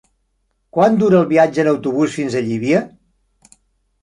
Quant dura el viatge en autobús fins a Llívia?